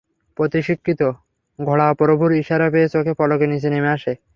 প্রশিক্ষিত ঘোড়া প্রভুর ইশারা পেয়ে চোখের পলকে নিচে নেমে আসে।